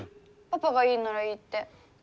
パパがいいならいいって。